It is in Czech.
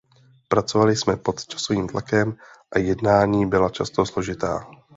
Pracovali jsme pod časovým tlakem a jednání byla často složitá.